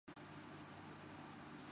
یہ جگہ اسلام آباد کی حدود میں ہی ہے